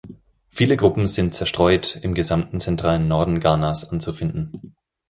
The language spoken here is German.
Viele Gruppen sind zerstreut im gesamten zentralen Norden Ghanas anzufinden.